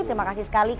terima kasih sekali lagi